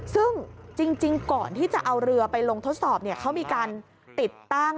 ซึ่งจริงก่อนที่จะเอาเรือไปลงทดสอบเขามีการติดตั้ง